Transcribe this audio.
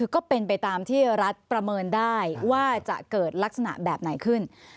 ก็เป็นไปตามที่รัฐประเมินได้ว่าจะเกิดลักษณะแบบไหนขึ้น